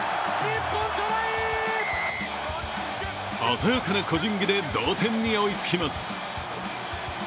鮮やかな個人技で同点に追いつきます。